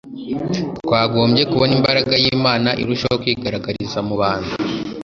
twagombye kubona imbaraga yImana irushaho kwigaragariza mu bantu